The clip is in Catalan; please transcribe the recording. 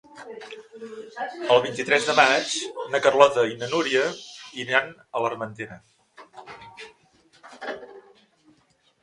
El vint-i-tres de maig na Carlota i na Núria iran a l'Armentera.